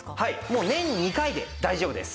もう年に２回で大丈夫です。